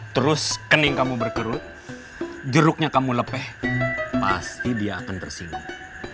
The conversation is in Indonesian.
terus kening kamu berkerut jeruknya kamu lepeh pasti dia akan tersinggung